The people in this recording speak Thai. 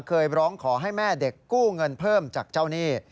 เคยร้องขอให้แม่เด็กกู้เงินเพิ่มจากเจ้าหนี้